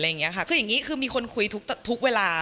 คืออย่างนี้คือมีคนคุยทุกเวลา